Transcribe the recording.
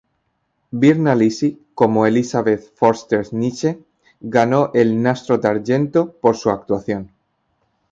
Virna Lisi como Elisabeth Förster-Nietzsche ganó el Nastro d'argento por su actuación.